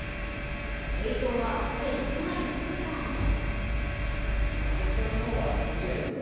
影響は既に都内のスーパーにも。